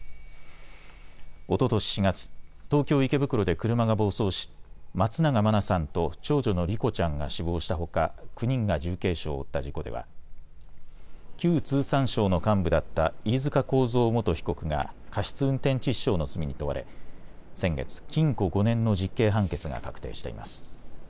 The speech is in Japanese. おととし４月、東京池袋で車が暴走し松永真菜さんと長女の莉子ちゃんが死亡したほか９人が重軽傷を負った事故では旧通産省の幹部だった飯塚幸三元被告が過失運転致死傷の罪に問われ先月、禁錮５年の実刑判決が確定しています。